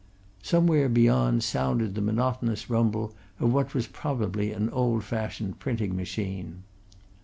Somewhere beyond sounded the monotonous rumble of what was probably an old fashioned printing machine.